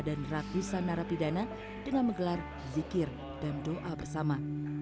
dan rakyusan narapidana dengan menggelar zikir dan doa bersama